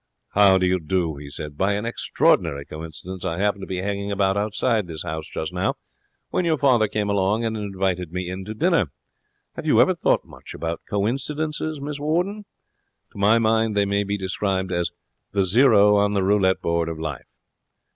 'How do you do?' he said. 'By an extraordinary coincidence I happened to be hanging about outside this house just now, when your father came along and invited me in to dinner. Have you ever thought much about coincidences, Miss Warden? To my mind, they may be described as the zero on the roulette board of life.'